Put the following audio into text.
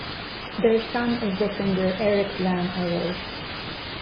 Their son is the singer Eric van Aro.